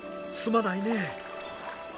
すまないね。